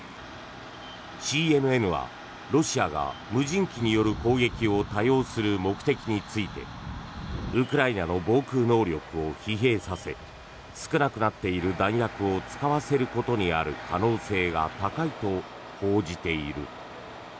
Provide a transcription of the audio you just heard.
ＣＮＮはロシアが無人機による攻撃を多用する目的についてウクライナの防空能力を疲弊させ少なくなっている弾薬を使わせることにある可能性が高いと報じている。